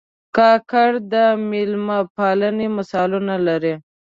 کاکړ د مېلمه پالنې مثالونه لري.